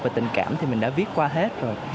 và tình cảm thì mình đã viết qua hết rồi